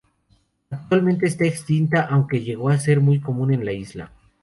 Actualmente está extinta, aunque llegó a ser muy común en la isla.